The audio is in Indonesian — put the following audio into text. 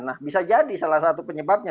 nah bisa jadi salah satu penyebabnya